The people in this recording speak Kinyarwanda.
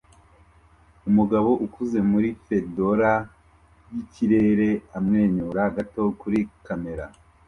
Umugabo ukuze muri fedora yikirere amwenyura gato kuri kamera